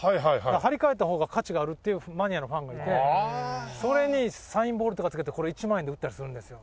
張り替えた方が価値があるっていうマニアのファンがいてそれにサインボールとかつけてこれ１万円で売ったりするんですよ。